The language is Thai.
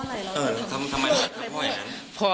แต่พ่อผมยังมีชีวิตอยู่นะครับพูดประโยคนี้ประมาณ๓รอบ